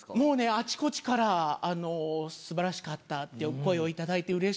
あちこちから「素晴らしかった」っていうお声を頂いてうれしくて。